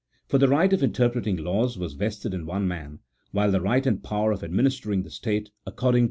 For the right of interpreting laws was vested in one man, while the right and power of administering the state according to the 1 See Note 30.